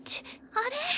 あれ？